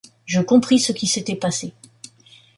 Je compris ce qui s’était passé.